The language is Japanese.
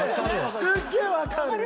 すっげえ分かる！